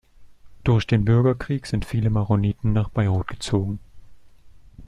Durch den Bürgerkrieg sind viele Maroniten nach Beirut gezogen.